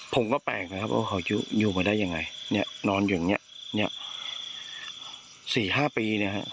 ผมก็แปลงนะครับว่าเขาอยู่มาได้ยังไงนอนอยู่อย่างนี้